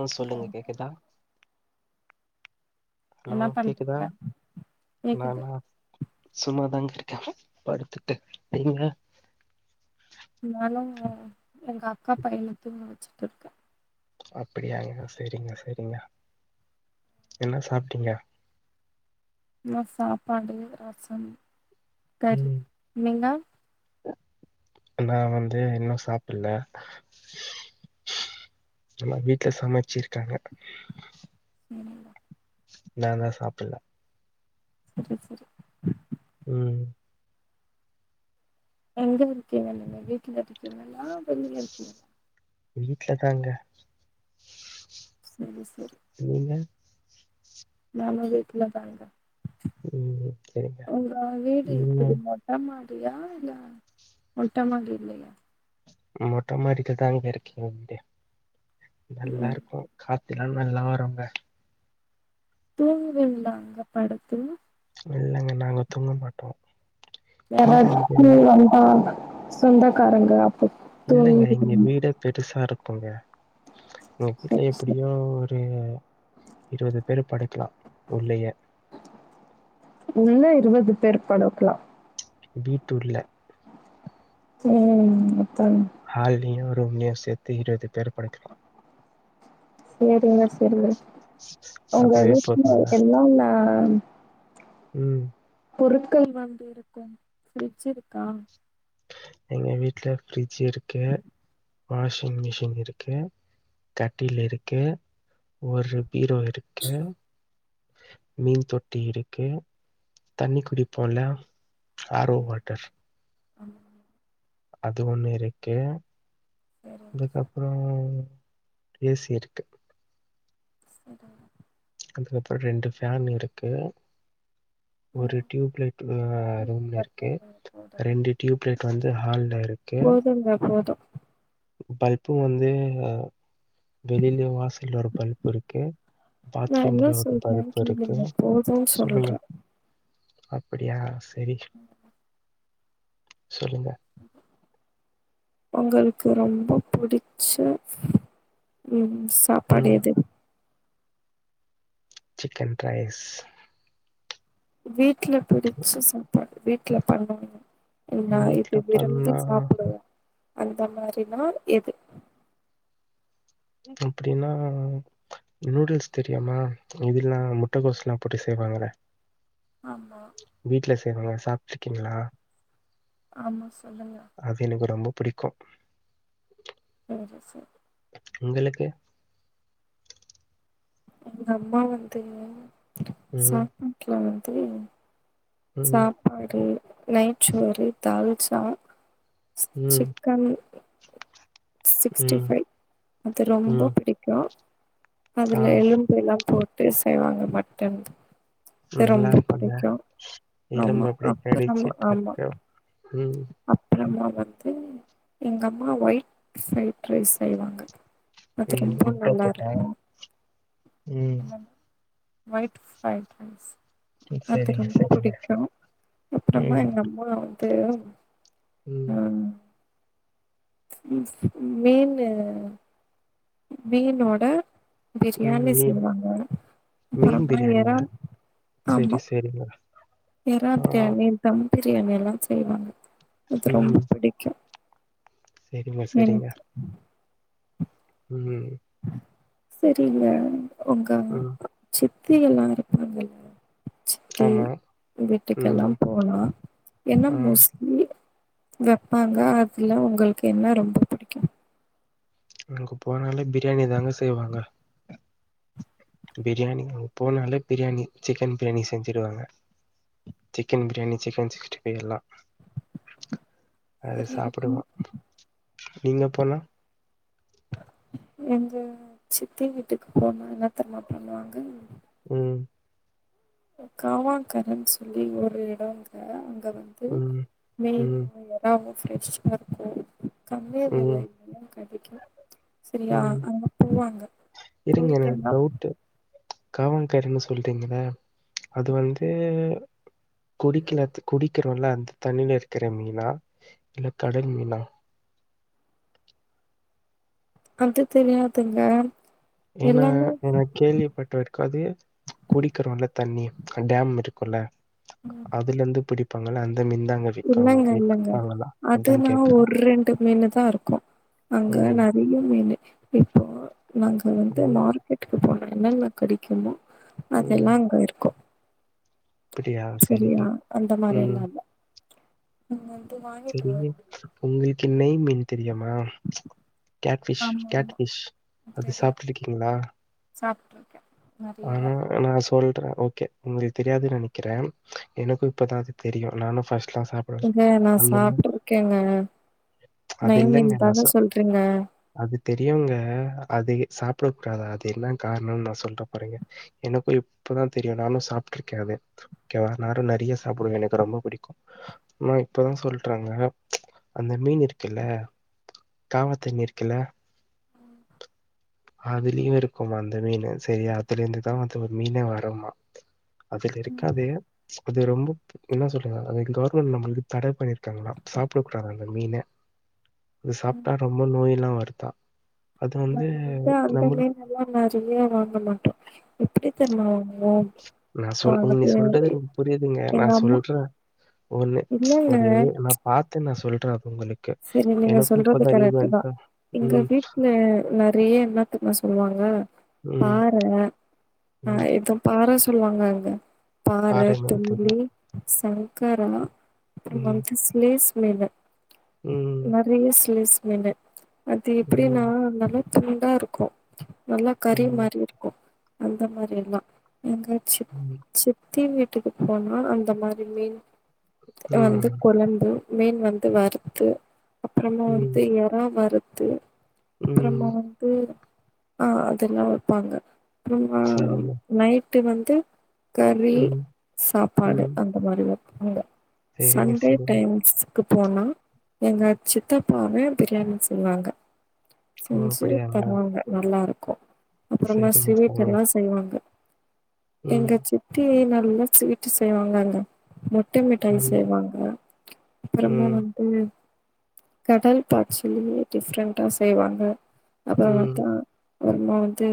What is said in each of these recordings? ஆ சொல்லுங்க கேக்குதா ஹலோ என்ன கேக்குதா பண்றீங்க ந கேக்குது ந சும்மாதாங்க இருக்கே படுத்துட்டு நீங்க நானும் எங்க அக்கா பையன தூங்க வச்சுட்டுருக்கேன் அப்படியாங்க சரிங்க சரிங்க என்ன சாப்டீங்க நா சாப்பாடு ரசம் கறி ம் நீங்க நான் வந்து இன்னும் சாப்பிட்ல நல்ல வீட்டு்ல சமைச்சிருக்காங்க ம் நான் தான் சாப்பிடல சரி சரி உம் எங்க இருக்கீங்க நீங்க வீட்டுல இருக்கீங்களா வெளில இருக்கீங்க வீட்டு்லதாங்க சரி சரி நீங்க நானும் வீட்டுல தாங்க ம் சரிங்க உங்க வீடு நீங்க எப்படி மொ ட மாடியா இல்ல மொட்ட மாடியில்லயா மொட்ட மாடிக்கு தாங்க இருக்கீங்க நல்லா ம் இருக்கும் காத்தில்லாம் நல்லா வருங்க தூங்குவீங்ளா அங்க படுத்து இல்லங்க நாங்க தூங்க மாட்டோம் யாராச்சு வந்தா சொந்தக்காரங்க அப்ப இல்லங்க இங்க தூங்குவீங்களா வீடே பெருசா இருக்குங்க எங்க சரி வீட்ல சரி எப்டியோ ஒரு இருபது பேர் படுக்கலாம் உள்ளயே உள்ள இருவது பேர் படுக்கலாம் வீட்டூள்ள [unintelligible] ஹால்லயும் ரூம்லேயும் சேத்து இருவது பேரு படுக்கலா சேரிங்க சரிங்க உங்க அதுவே வீட்ல போதுல்ல என்னன்னா ம் பொருட்கள் வந்து இருக்கும் ஃப்ரிட்ஜ் இருக்கா எங்க வீட்ல ஃப்ரிட்ஜ் இருக்கு வாஷிங் மிஷின் இருக்கு கட்டில் இருக்கு ஒரு பீரோ இருக்கு மீன் தொட்டி இருக்கு தண்ணீ குடிப்போம்ல ஆர் ஓ வாட்டர் ஆமா அது ஒன்னு இருக்கு சரிங்க சார், அதுக்கப்றோ ஏ சி இருக்கு செர்டா அதுக்கப்றோ ரெண்டு ஃபேன் இருக்கு ஒரு ம். டியூப்லைட் ஆ இல்லங்க ரூம்லருக்கு போதுங்க, போதுங்க. ரெண்டு டியூப் லைட் வந்து ஹால்லரு போதுங்க போது பல்ப்பும் வந்து அ வெளிலயும் வாசல்ல ஒரு பல்ப் ருக்கு நான் என்ன பாத்ரூம்ல ஒரு சொல்றேன்னு பல்ப் இருக்கு கேளுங்க. போதும்ன்னு சொல்லுங்க சொல்றேன். அப்டியா செரி சொல்லுங்க ம் உங்களுக்கு ரொம்ப புடிச்ச ம் சாப்பாடு ம். எது சிக்கன் ரைஸ் வீட்ல புடிச்ச சாப்பாடு வீட்ல பண்வாங்க ஒரு வீட்ல மாரி விரும்பி பண்ணா சாப்பிடுவ அந்த மாரினா எது அப்டின்னா நூடுல்ஸ் தெரியுமா இதெல்லாம் முட்டகோஸ் லாம் போட்டு செய்வாங்கள ஆமா வீட்ல செய்வாங்க சாப்ட்டுருக்கீங்களா ஆமா சொல்லுங்க அது எனக்கு ரொம்ப புடிக்கு அது செ உங்களுக்கு எங்க அம்மா வந்து ம். சாப்பாட்ல வந்து ம். சாப்பாடு நெய்ச்சோறு தால்ச்சா ம். சிக் கம்மி சிக்ஸ்டி ம். ஃபைவ் அது ரொம்ப ம். புடிக்கு ஆ அதுல எலும்பெல்லா போட்டு செய்வாங்க மட்டன் அது ரொம்ப நல்லாருக்கும்ல. புடிக்கு ஆமா எலும்பு அப்படியே அப்பு கடிச்சு ரமா ஆமா டக்கு. ம். அப்றமா வந்து எங்க அம்மா ஒயிட் ஃப்ரைட் ரைஸ் செய்வாங்க அது ம். ரொம்ப முட்ட போட்டா நல்லாருக்கு ம். என்ன ஒயிட் ஃப்ரைட் ரைஸ் அது சரிங்க, ரொம்ப சரிங்க. புடிக்கு அப்றமா ம், எங்க அம் மா வந்து ம் மீன்னு மீனோட ம். பிரியாணி மீன் செய்வாங்க அப்பறமா எரால் ஆமா செரிங்க எறா ப்ரியாணி தம் ப்ரியாணி எல்லா செய்வாங்க அது ரொம்ப புடிக்கு செரிங்க செரிங்க எனக்கு ம் செரிங்க ஒங்க ம். சித்தி எல்லா இருப்பாங்கள்ல சித்தி ஆமா. வீட்டுக்கெல்லா ம். போனா என்ன ஆ. மோஸ்ட் மில் வெப்பாங்க அதுல உங்களுக்கு என்ன ரொம்ப புடிக்கு நா அங்க போனாலே பிரியாணி தாங்க செய்வாங்க பிரியாணிங்க அங்க போனாலே பிரியாணி சிக்கன் பிரியாணி செஞ்சிடுவாங்க chicken biryani chicken sixty five எல்லா அது சாப்புடுவோ நீங்க போனா எங்க சித்தி வீட்டுக்கு போனா என்ன தெரிமா பண்ணுவாங்க ம் காவாங்கரன்னு சொல்லி ஒரு எடோங்க அங்க வந்து ம், மீனு ம், எறா எல்லாமே பிரஷ்ஷா இருக்கு கம்மியா ம், விலையில எல்லா கெடைக்கு செரியா ம். அங்க போவாங்க போயிட்டு என்ன காவாங்கரன்னு சொல்றீங்கள்ல அது வந்து குடிக்கல குடிக்கிறோல்லா அந்த தண்ணில இருக்கற மீனா இல்ல கடல் மீனா அது தெரியாதுங்க ஏன்னா எல்லாமே நா கேள்வி பட் இதுக்காதே குடிக்கிறோல்ல தண்ணி டேம் இருக்குல்ல ம், அதுலந்து பிடிப் இல்லங்க இல்லங்க விப்பாங்களா? அதான் அதுனா கேட்கறேன். ஒரு ரெண்டு மீனு தா இருக்கு அங்க ம். நறைய மீனு இப்போ நாங்க வந்து ம். மார்க்கெட்டுக்கு போனா என்னான்னா கேடிக்குமோ ம். அதெல்லா அங்க இருக்கு அப்படியா? சரிங்க. செரியா அந்த ம். மாரில்லா இல்ல அங்க வந்து வாங் செரி உங்களுக்கு நெய் மீன் தெரியுமா கேட் பிஷ் ஆமா கேட் ஆமா பிஷ் அது சாப்டிருக்கீங்களா சாப்டிருக்கே ஆனா நா சொல்றே ஓகே உங்களுக்கு தெரியாதுன்னு நெனைக்கிறே எனக்கு இப்பதா அது தெரியு நானு ஃபர்ஸ்ட்லாம் சாப் எங்க நா சாப்டு இருக்கேங்க அது நெய் இல்லங்க. மீன் நான் தாங்க சொ சொல்றீங்க அது தெரியுங்க அது எ சாப்புடக்கூடாது அது என்ன கார்ணோன்னு நா சொல்ற பாருங்க எனக்கு இப்பதா தெரியு நானு சாப்டு இருக்கே அது ஓகேவா நானு நெறைய சாப்டுவே எனக்கு ரொம்ப புடிக்கு ஆனா இப்பதா சொல்றாங்க அந்த மீன் இருக்குல்ல காவ தண்ணி இருக்குல அதுலயு இருக்குமா அந்த மீனு செரியா அதுல இருந்துதா அது ஒரு மீனே வருமா அதுல இருக்காதே அது ரொம்ப என்ன சொல்றீங்க அது கவர்மெண்ட் நம்மளுக்கு தட பண்ணிருக்காங்களா சாப்ட கூடாதா அந்த மீன அது சாப்டா ரொம்ப நோய்லா வருதா நாங்க வந்து அந்த மீன் எல்லா நறைய வாங்க மாட்டோ எப்டி தெரியுமா வாங்குவோ நா ஆ சொல் உன் நீ அது சொல்றது எனக்கு புரியுதுங்க நா எங்க அம்மா சொல்றே ஒன்னு இல்லங்க ஒரு நா பாத்து நா சொல்றே உங்களுக்கு செரி நீங்க எனக்கும் சொல்றது இப்பதான் கரெக்ட் தா ரீசென்ட்டா எங்க ம், வீட்டுல நறைய என்னத்தெரிமா சொல்லுவாங்க ம், பாற ஆ ம். இதும் பாற சொல்லுவாங்க அங்க பாற பாரு என்னன்னு தும்மிலி தெரியும். சங்கர அப்றோ வந்து ஸ்லேஸ் மீனு ம்ம் நறைய ஸ்லேஸ் அது எப்டின்னா ம், நல்லா துண்டா இருக்கு நல்லா கறி ம், மாரி இருக்கு அந்த மாரில்லா எங்க சித் ம், சித்தி வீட் ட்டுக்கு போனா அந்த மாரி மீன் வந்து ம், கொழம்பு மீன் வந்து வறுத்து அப்புறமா ம், வந்து இறா வறுத்து அப்புறமா ம். வந்து ஆ அதெல்லா வப்பாங்க அப்புறமா செரிங்க நைட்டு வந்து கறி ம், சாப்பாடு ம். அந்த மாரி வப்பாங்க சரிங்க, சண்டே சரிங்க. டைம்ஸ்கு போனா எங்க சித்தப்பாவே பிரியாணி செய்வாங்க ஓ! செஞ்சு அப்படியாங்க. தருவாங்க நல்லா இருக்கும் அப்புறமா சரிங்க, ஸ்வீட் சரிங்க. எல்லாம் செய்வாங்க ம், எங்க சித்தி நல்லா ஸ்வீட்டு செய்வாங்க அங்க மொட்டை மிட்டாய ம், செய்வாங்க அப்புறமா ம், வந்து கடல் பாய்ச்சிலயே டிஃப்ரெண்ட செய்வாங்க ம். அப்புறமாத்தா அப்புறமா வந்து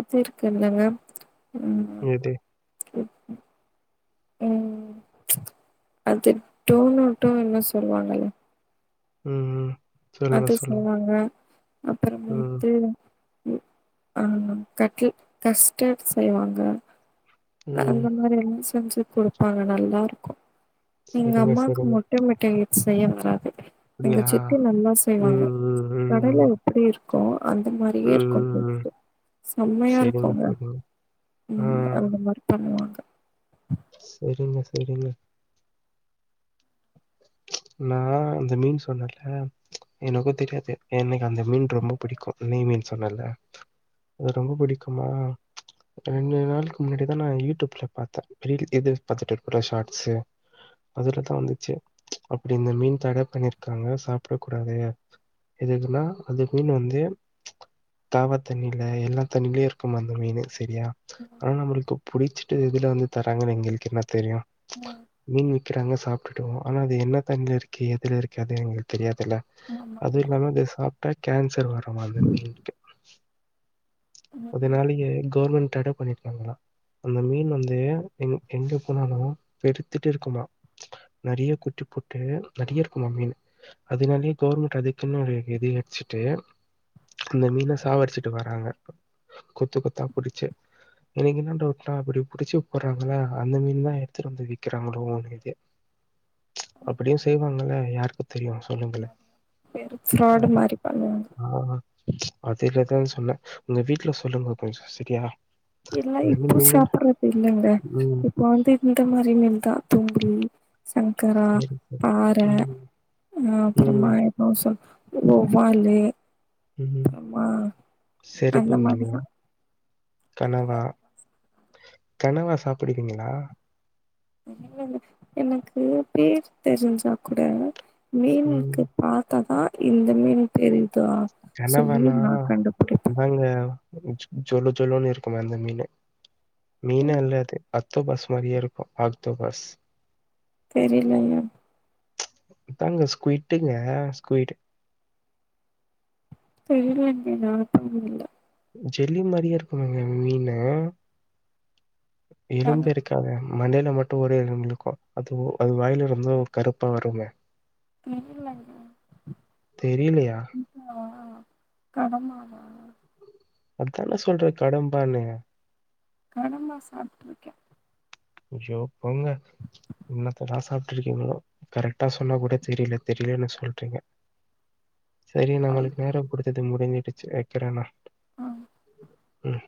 இது இருக்கு இல்லங்க ஆ எது? [unintelligible] ம் அது டோனொட்டோ இன்ன சொல்வாங்கல ம் ம் சொல்லுங்க, அது சொல்லுங்க. செய்வாங்க அப்புறம் ம், வந்து [unintelligible] ஆ கட்டுல் கஸ்டர்ட் செய்வாங்க ம். அந்த மாரி எல்லா செஞ்சு கொடுப்பாங்க நல்லாருக்கும் எங்க சரிங்க, அம்மாக்கு மொட் சரிங்க. மொட்ட மிட்டாய் செய்ய வராது அங்க அப்படியா? சிக்கன் நல்லா செய்வாங்க கடைல ம், எப்படி இருக்கு அந்த மாரியே இருக்கு ம். டேஸ்டு செம்மையா சரிங்க, இருக்குங்க சரிங்க. ஆ, ம் அந்த மாரி பண்ணுவாங்க செரிங்க செரிங்க நா அந்த மீன் சொன்னல எனக்கு தெரியாது எனக் அந்த மீன் ரொம்ப பிடிக்கு நெய் மீன் சொன்னல அது ரொம்ப பிடிக்குமா ரெண்டு நாளுக்கு முன்னாடிதா நான் யூடியூப்ல பாத்தே டெய்லி இது பாத்துட்டு இருக்கல ஷார்ட்ஸு அதுல தா வந்துச்சு அப்படி இந்த மீன் தடை பண்ணிருகாங்க சாப்ட கூடாது எதுகுன்னா அந்த மீனு வந்து காவா தண்ணில எல்லா தண்ணிலயும் இருக்குமா அந்த மீனு சரியா ஆனா நம்மளுக்கு புடிச்சிட்டு எதுல வந்து தாராங்கன்னு எங்களுக்கு என்ன தெரியு ம் மீன் விக்றாங்க சாப்ட்டுட்டுவோ ஆனா அது என்ன தண்ணில இருக்கு எதுல இருக்கு அது எங்களுக்கு தெரியாதுல்ல ஆமா அதுவு இல்லாம இத சாப்ட்டா கேன்ஷர் வருமா அந்த மீனுக்கு அதனாலயே கவுர்மெண்ட் தடை பண்ணிரு க்காங்களா அந்த மீன் வந்து எங் எங்கே போனாலும் பெருத்துட்டு இருக்குமா நெறைய குட்டி போட்டு நெறைய இருக்குமா மீன் அதனாலே கவுர்மெண்ட் அதுக்குன்னு ஒரு இது வச்சிட்டு அந்த மீன சாவடிச்சுட்டு வாராங்க கொத்து கொத்தா புடிச்சு எனக்கு என்ன டவுட்னா இப்படி புடிச்சு போட்றாங்களா அந்த மீன் தான் எடுத்துட்டு வந்து விக்றாங்களோனு இது அப்படியும் செய்வாங்கல்ல யாருக்கு தெரியு ம் பேரு ஃப்ராடு மாரி பண்ணுவாங்க ஆ அதுலதா சொன்னே உங்க வீட்டுல சொல்லுங்கோ கொஞ்ஜோ சரியா எல்லாம் அதனால இப்போ நீங்களும் சாப்பூடுறது இல்லங்க ம். இப்ப வந்து இந்த மாரி மீன்தான் தொங்ரி சங்கரா சரி. பார ம். அ அப்புறமா ம். எ [unintelligible] வவ்வாலு ம். அப்புறமா செருப்பு அந்த மாதி மீனு, தா கனவா கனவா சாப்புடுவிங்களா என்ன [unintelligible] எனக்கு பேர் தெரிஞ்சா கூட ம். மீனுக்கு பாத்தாதா இந்த மீன் தெரிதா சொல்லி நா கண்டுபுடிப்பே அங்க ஜொ ஜொலு ஜொலுனு இருக்குமே அந்த மீனு மீனு ம் அல்லது அந்த பஸ் மாரியே இருக்கு அந்த பஸ் தெரிலங்க தாங்க ஸ்கியட்டுங்க ஸ்கியிட் [unintelligible] ஜெல்லி மாரியே இருக்குங்க மீனு ஆனா [unintelligible] க்கது மண்டையில மட்டும் ஒரே இருக்கோ அது அது வாயில ரொம்ப கருப்பா வருமே தெரிலங்க தெரிலியா ஆ கடமா வா அதான சொல்ர கடம்பானு கடமா சாப்ட்டுருக்கேன் ஜோ போங்க என்னத்தா சாப்ட்டுருக்கீங்களோ கரெக்ட்டா சொன்னா கூட தெரியல தெரியலன்னு சொல்றீங்க [inaudible] சரி ஆ நம்மளுக்கு நேர குடுத்தது முடிஞ்சிட்டுச்சு வைக்கறே நா ஆ உம்